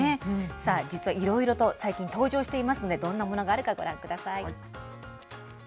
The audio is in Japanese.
さあ、実はいろいろと最近登場していますんで、どんなものがあるかご覧ください。